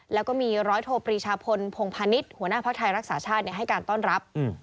แล้วก็มีร้อยโทปรีชาพลพงพาณิชย์หัวหน้าภักดิ์ไทยรักษาชาติให้การต้อนรับ